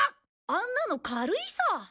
あんなの軽いさ。